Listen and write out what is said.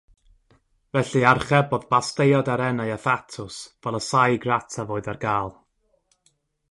Felly archebodd basteiod arennau a thatws fel y saig rataf oedd ar gael.